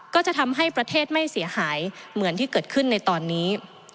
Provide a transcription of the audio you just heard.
ก็จะทำให้ประเทศไม่เสียหายเหมือนที่เกิดขึ้นในตอนนี้